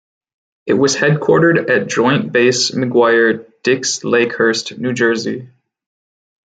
It was headquartered at Joint Base McGuire-Dix-Lakehurst, New Jersey.